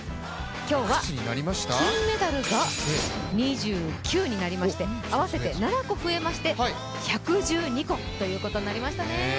今日は金メダルが２９になりまして、合わせて７個増えまして１１２個ということになりましたね。